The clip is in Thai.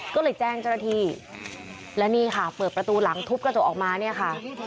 ก็เลยแจ้งเจ้าหน้าที่และนี่ค่ะเปิดประตูหลังทุบกระจกออกมาเนี่ยค่ะ